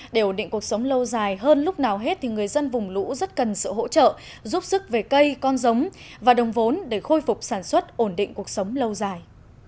để ổn định cuộc sống lâu dài hơn lúc nào hết người dân vùng lũ rất cần sự hỗ trợ giúp sức về cây con giống và đồng vốn để khôi phục sản xuất ổn định cuộc sống lâu dài